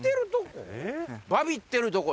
バミってるとこ？